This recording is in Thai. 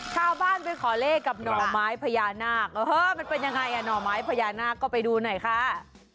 ชาวบ้านไปขอเลขกับหน่อไม้พญานาคมันเป็นยังไงหน่อไม้พญานาคก็ไปดูหน่อยค่ะ